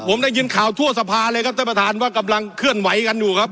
ผมได้ยินข่าวทั่วสภาเลยครับท่านประธานว่ากำลังเคลื่อนไหวกันอยู่ครับ